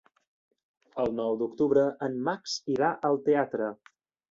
El nou d'octubre en Max irà al teatre.